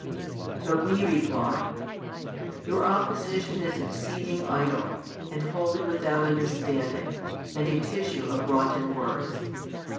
But we reply: Your opposition is exceeding idle, and wholly without understanding, and a tissue of rotten words.